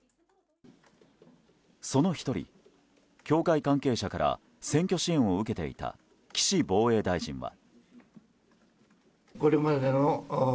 その１人、教会関係者から選挙支援を受けていた岸防衛大臣は。